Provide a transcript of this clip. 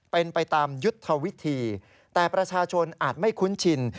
เป็นไปตามยุทธวิธีแต่ประชาชนอาจไม่คุ้นชิน